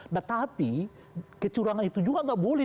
tetapi kecurangan itu juga nggak boleh